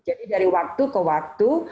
jadi dari waktu ke waktu